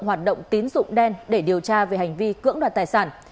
hoạt động tín dụng đen để điều tra về hành vi cưỡng đoạt tài sản